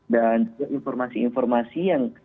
dan juga informasi informasi yang